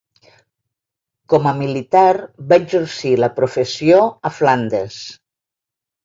Com a militar va exercir la professió a Flandes.